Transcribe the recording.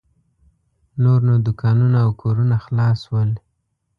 نور نو دوکانونه او کورونه خلاص شول.